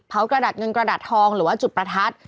กระดาษเงินกระดาษทองหรือว่าจุดประทัด